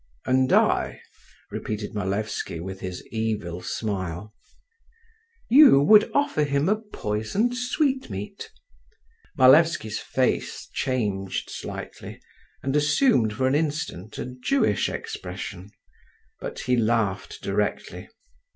…" "And I?" repeated Malevsky with his evil smile…. "You would offer him a poisoned sweetmeat." Malevsky's face changed slightly, and assumed for an instant a Jewish expression, but he laughed directly.